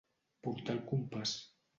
Portar el compàs.